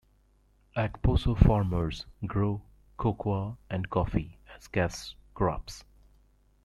Akposso farmers grow cocoa and coffee as cash crops.